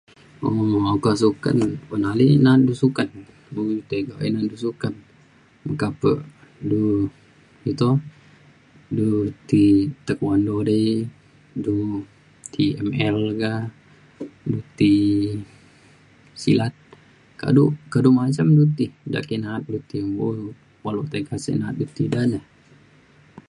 um oka suken un ale na'at du suken bung tiga na'at du suken meka pa du iu to du ti taekwando di du ti ML ka du ti silat kado kado masem lu ti da ki na'at dulu ti mbo baluk tiga sik na'at du ti da na